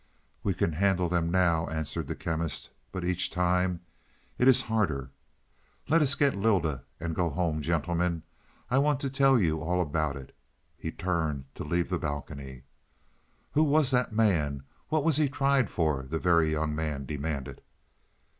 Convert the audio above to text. "We can handle them now," answered the Chemist. "But each time it is harder. Let us get Lylda and go home, gentlemen. I want to tell you all about it." He turned to leave the balcony. "Who was the man? What was he tried for?" the Very Young Man demanded.